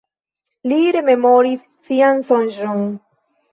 Li rememoris sian sonĝon.